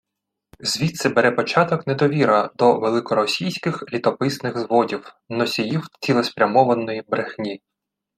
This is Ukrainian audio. Звідси бере початок недовіра до «великоросійських літописних зводів» – носіїв цілеспрямованої брехні